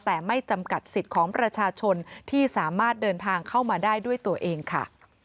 แต่ไม่จำกัดสิทธิ์ของประชาชนที่สามารถเดินทางเข้ามาได้ด้วยตัวเองค่ะ